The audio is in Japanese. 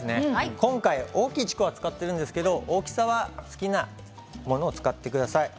今回は大きいちくわを使っているんですけど、大きさは好きなものを使ってください。